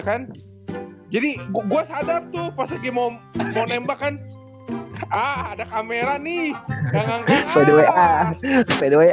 kan jadi gua sadar tuh pas lagi mau mau nembak kan ada kamera nih yang anggap by the way a by the way